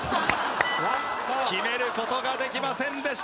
決める事ができませんでした。